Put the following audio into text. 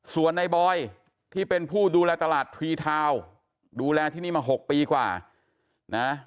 ส่วนในบอยที่เป็นผู้ดูแลตลาดทรีทาวน์ดูแลที่นี่มา๖ปีกว่านะ